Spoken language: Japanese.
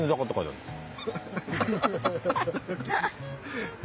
なんですか？